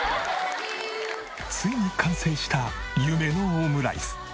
ついに完成した夢のオムライス！